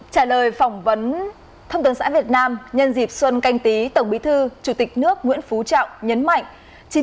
trả lời phỏng vấn thông tấn xã việt nam nhân dịp xuân canh tí tổng bí thư chủ tịch nước nguyễn phú trọng nhấn mạnh